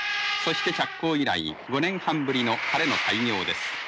そして着工以来５年半ぶりの晴れの開業です。